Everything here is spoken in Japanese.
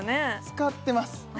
使ってます